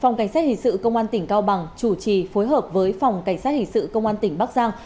phòng cảnh sát hình sự công an tỉnh cao bằng chủ trì phối hợp với phòng cảnh sát hình sự công an tỉnh bắc giang